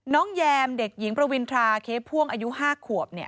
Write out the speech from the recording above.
แยมเด็กหญิงประวินทราเค้กพ่วงอายุ๕ขวบ